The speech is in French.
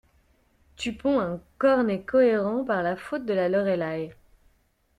Tu ponds un cornet cohérent par la faute de la Lorelei.